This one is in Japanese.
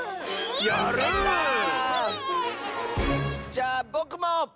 じゃあぼくも！